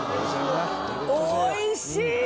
おいしい！